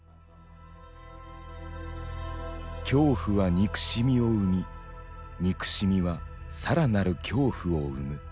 恐怖は憎しみを生み憎しみは更なる恐怖を生む。